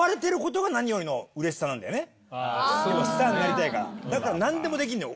スターになりたいからだから何でもできんのよ